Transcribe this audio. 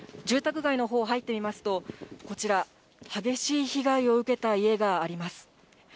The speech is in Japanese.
住宅街のほうに入ってみますと、こちら、激しい被害を受けた家があります。